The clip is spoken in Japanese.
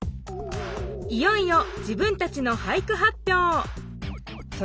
いよいよ自分たちの俳句発ぴょう！